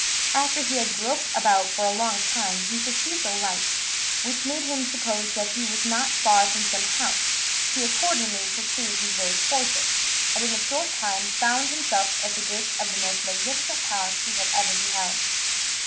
After he had groped about for a long time, he perceived a light, which made him suppose that he was not far from some house: he accordingly pursued his way towards it, and in a short time found himself at the gates of the most magnificent palace he had ever beheld.